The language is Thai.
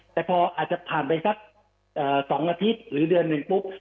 แต่พออาจจะผ่านไปสัก๒อาทิตย์หรือเดือนหนึ่งปุ๊บ